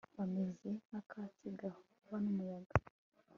bameze se nk'akatsi gahuhwa n'umuyaga